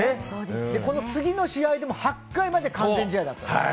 この次の試合でも８回まで完全試合だった。